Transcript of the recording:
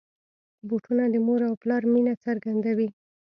بوټونه د مور او پلار مینه څرګندوي.